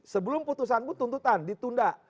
sebelum putusanmu tuntutan ditunda